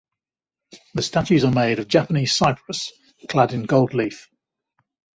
The statues are made of Japanese cypress clad in gold leaf.